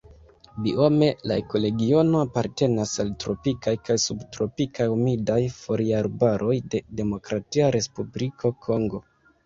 Biome la ekoregiono apartenas al tropikaj kaj subtropikaj humidaj foliarbaroj de Demokratia Respubliko Kongo.